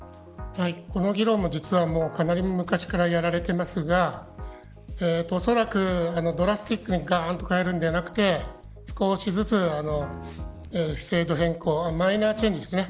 この議論も実はかなり昔からやられていますがおそらくドラスティックにがーんと変えるのではなくて少しずつ制度変更マイナーチェンジですね。